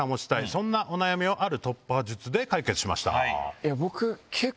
そんなお悩みをある突破術で解決しました。